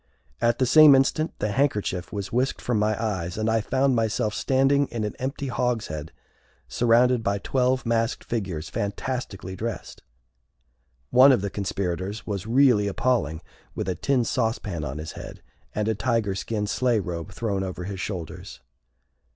At the same instant the handkerchief was whisked from my eyes, and I found myself standing in an empty hogshead surrounded by twelve masked figures fantastically dressed. One of the conspirators was really appalling with a tin sauce pan on his head, and a tiger skin sleigh robe thrown over his shoulders.